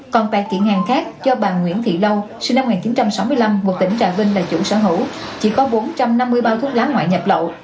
còn pạt kiện hàng khác do bà nguyễn thị lâu sinh năm một nghìn chín trăm sáu mươi năm ngụ tỉnh trà vinh là chủ sở hữu chỉ có bốn trăm năm mươi bao thuốc lá ngoại nhập lậu